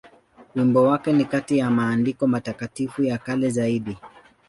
Wimbo wake ni kati ya maandiko matakatifu ya kale zaidi.